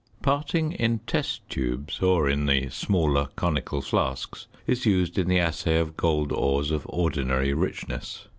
Parting in test tubes, or in the smaller conical flasks, is used in the assay of gold ores of ordinary richness.